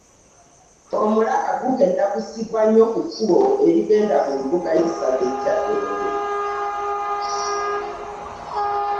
Omulaka gugenda kussibwa nnyo ku kkubo erigenda ku mbuga y'essaza Kyaddondo